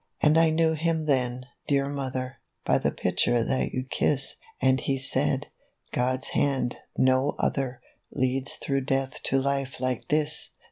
"And I knew him then, dear Mother, By the picture that you kiss, As he said, 4 God's hand, no other, Leads through Death to Life like this